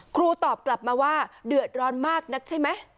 ครูตอบกลับมาว่าเดือดร้อนมากนักใช่ไหม